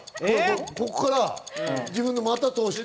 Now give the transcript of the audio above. ここから自分の股を通して。